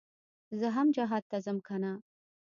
زه هم جهاد ته ځم کنه.